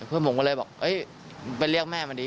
เพื่อนผมก็เลยบอกไปเรียกแม่มาดี